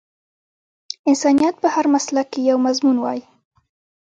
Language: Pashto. انسانيت په هر مسلک کې یو مضمون وای